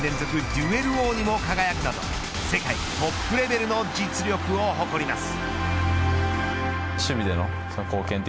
デュエル王にも輝くなど世界トップレベルの実力を誇ります。